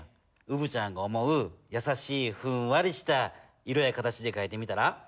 うぶちゃんが思うやさしいふんわりした色や形でかいてみたら？